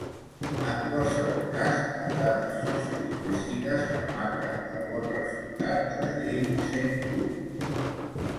En qualsevol cas, les dades sociolingüístiques remarquen el bon resultat de la llei cent u.